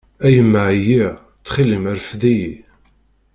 A yemma ɛyiɣ, ttxil-m rfed-iyi!